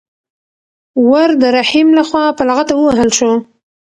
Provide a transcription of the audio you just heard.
ور د رحیم لخوا په لغته ووهل شو.